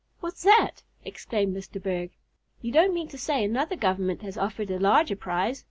What's that?" exclaimed Mr. Berg. "You don't mean to say another government has offered a larger prize?